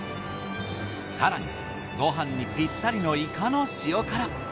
更にご飯にピッタリのいかの塩辛。